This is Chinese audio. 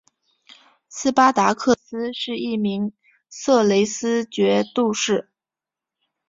斯巴达克斯是一名色雷斯角斗士。